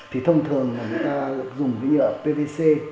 thì thông thường là người ta dùng cái nhựa pvc